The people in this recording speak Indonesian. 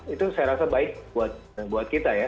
itu saya rasa baik buat kita ya